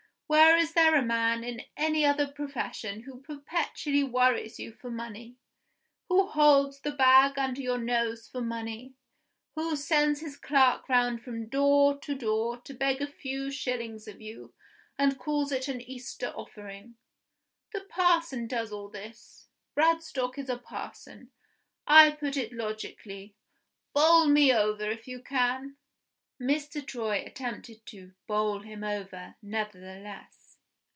Where is there a man in any other profession who perpetually worries you for money? who holds the bag under your nose for money? who sends his clerk round from door to door to beg a few shillings of you, and calls it an 'Easter offering'? The parson does all this. Bradstock is a parson. I put it logically. Bowl me over, if you can." Mr. Troy attempted to "bowl him over," nevertheless.